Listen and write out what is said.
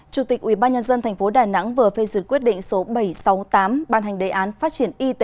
chủ tịch ubnd tp đà nẵng vừa phê duyệt quyết định số bảy trăm sáu mươi tám ban hành đề án phát triển y tế